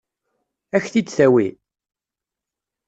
Ad k-t-id-tawi?